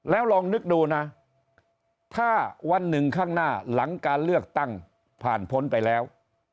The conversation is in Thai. แล้วลองนึกดูนะถ้าวันหนึ่งข้างหน้าหลังการเลือกตั้งผ่านพ้นไปแล้ว